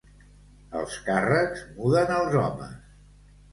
Els càrrecs muden els homes.